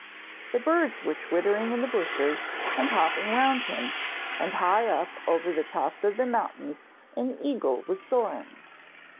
The birds were twittering in the bushes and hopping round him, and high up over the tops of the mountains an eagle was soaring.